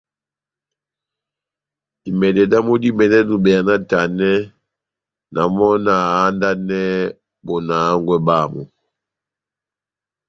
Imɛdɛ damu dímɛdɛnɔ ibeya náhtanɛ, na mɔ́ na handanɛhɛ bona hángwɛ bámu.